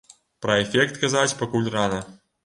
Пра эфект казаць пакуль рана.